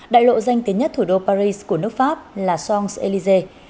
đại lộ danh tiếng nhất thủ đô paris của nước pháp là champs élysées